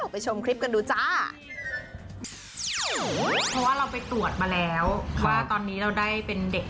เป็นผู้ชายสนใจพ่อแหละ